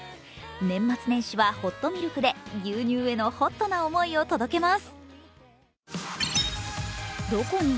年末年始はホットミルクで牛乳へのＨＯＴな思いを届けます。